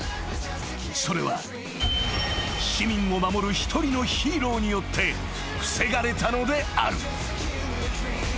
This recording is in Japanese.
［それは市民を守る一人のヒーローによって防がれたのである］